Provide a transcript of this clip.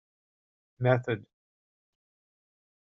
method.